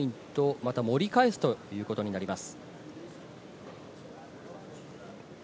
まだ盛り返すということになります。